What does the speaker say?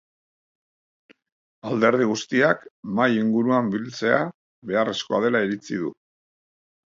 Alderdi guztiak mahai inguruan biltzea beharrezkoa dela iritzi du.